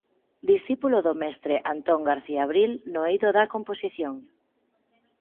Discípulo do mestre Antón García Abril no eido da composición.